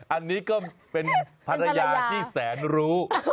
อันนี้ก็เป็นภรรยาที่แสนรู้